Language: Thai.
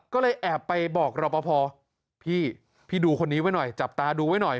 ก็เลยแอบไปบอกรอปภพี่พี่ดูคนนี้ไว้หน่อยจับตาดูไว้หน่อย